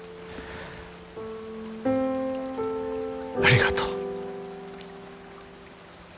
ありがとう。